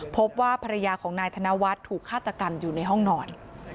พบว่าภรรยาของนายธนวัฒน์ถูกฆาตกรรมอยู่ในห้องนอน